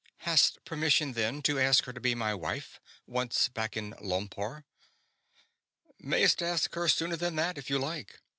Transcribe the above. "Hast permission, then, to ask her to be my wife, once back in Lompoar?" "Mayst ask her sooner than that, if you like.